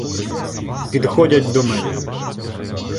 Підходять до мене.